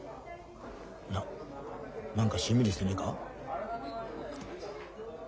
な何かしんみりしてねえか？